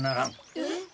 えっ？